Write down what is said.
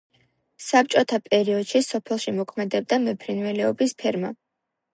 საბჭოთა პერიოდში სოფელში მოქმედებდა მეფრინველეობის ფერმა.